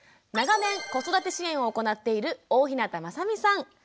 長年子育て支援を行っている大日向雅美さん。